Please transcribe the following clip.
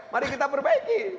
mari kita perbaiki